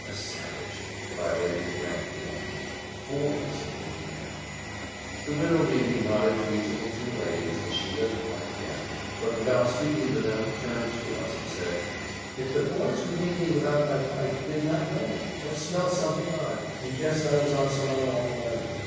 "The savage!" cried Lady de Brantefield. "The fool!" said Lady Anne. The Widow Levy nodded to each of the two ladies, as she lit the pipe again, but without speaking to them, turned to us, and said, "If the boys would meet me without my pipe, they'd not know me; or smell something odd, and guess I was on some unlawful errand."